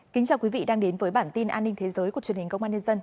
chào mừng quý vị đến với bản tin an ninh thế giới của truyền hình công an nhân dân